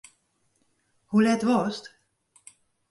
Hoe let wolst?